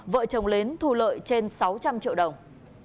vợ chồng lớn thu lợi trên sáu trăm linh triệu đồng